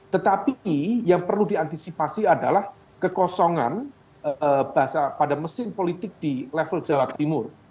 tetapi yang perlu diantisipasi adalah kekosongan pada mesin politik di level jawa timur